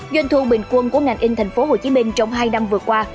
doanh thu bình quân của ngành in tp hcm trong hai năm vừa qua